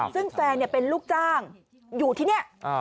ซึ่งแฟนเป็นลูกจ้างอยู่ที่นี่